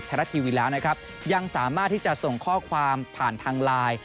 รัฐทีวีแล้วนะครับยังสามารถที่จะส่งข้อความผ่านทางไลน์